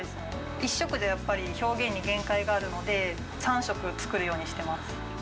１色ではやっぱり表現に限界があるので、３色作るようにしてます。